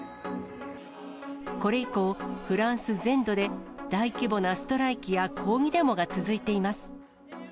これ以降、フランス全土で、大規模なストライキや抗議デモが続いています。